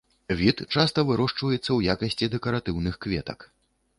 Від часта вырошчваецца ў якасці дэкаратыўных кветак.